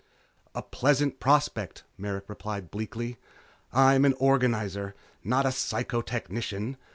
"A pleasant prospect," Merrick replied bleakly. "I am an organizer, not a psychotechnician.